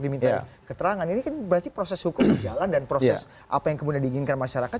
diminta keterangan ini berarti proses hukum jalan dan proses apa yang kemudian diinginkan masyarakat